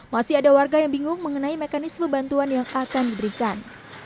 masih ada warga yang bingung mengenai mekanisme bantuan yang akan diberikan